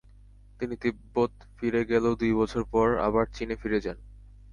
তিনি তিব্বত ফিরে গেলেও দুই বছর পর আবার চীনে ফিরে যান।